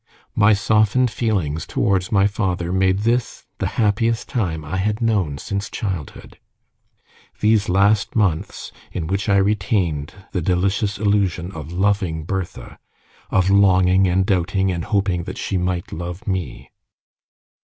My softened feelings towards my father made this the happiest time I had known since childhood; these last months in which I retained the delicious illusion of loving Bertha, of longing and doubting and hoping that she might love me.